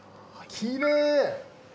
きれい！